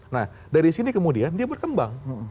nah dari sini kemudian dia berkembang